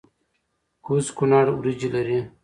کوز کونړ وریجې لري؟